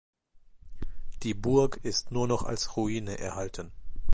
Die Burg ist nur noch als Ruine erhalten.